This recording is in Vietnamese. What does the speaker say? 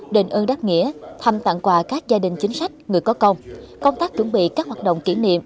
đền ơn đáp nghĩa thăm tặng quà các gia đình chính sách người có công công tác chuẩn bị các hoạt động kỷ niệm